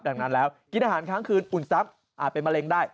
ดังนั้นแล้วกินอาหารค้างคืนอุ่นทรัพย์อาจเป็นมะเร็งได้